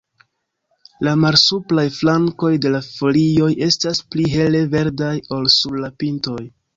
La malsupraj flankoj de la folioj estas pli hele verdaj ol sur la pintoj.